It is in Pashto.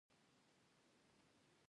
څنګه کولی شم د طواف پر وخت دعاګانې ووایم